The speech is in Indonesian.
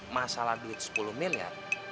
masalah duit sepuluh mil ya